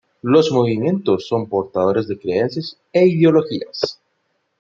Los movimientos son portadores de creencias e ideologías.